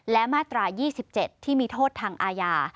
และมาตรา๒๗ที่มีโทษทางอาญา